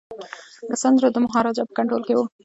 د سند رود د مهاراجا په کنټرول کي و.